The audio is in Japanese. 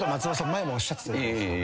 前もおっしゃってたじゃないですか。